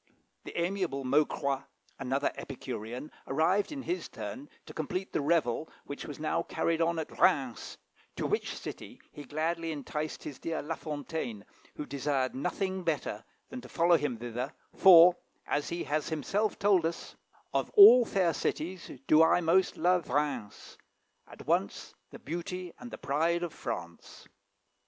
The amiable Maucroix, another Epicurean, arrived in his turn to complete the revel which was now carried on at Rheims, to which city he gladly enticed his dear La Fontaine, who desired nothing better than to follow him thither, for, as he has himself told us, "Of all fair cities do I most love Rheims, At once the beauty and the pride of France."